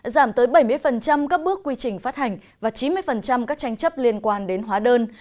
giảm tới bảy mươi các bước quy trình phát hành và chín mươi các tranh chấp liên quan đến hóa đơn